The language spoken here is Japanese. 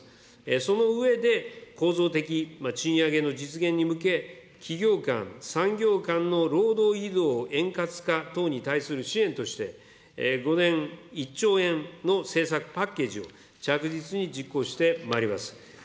その上で、構造的賃上げの実現に向け、企業間、産業間の労働移動円滑化等による支援として、５年１兆円の政策パッケージを着実に実行してまいります。